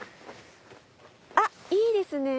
あっいいですね。